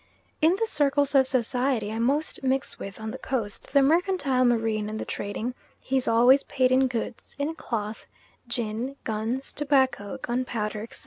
In the circles of society I most mix with on the Coast the mercantile marine and the trading he is always paid in goods, in cloth, gin, guns, tobacco, gunpowder, etc.